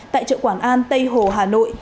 tại chợ quảng an tây hồ hà nội